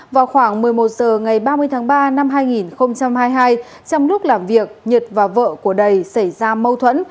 vào khoảng một mươi một h ngày ba mươi tháng ba năm hai nghìn hai mươi hai trong lúc làm việc nhật và vợ của đầy xảy ra mâu thuẫn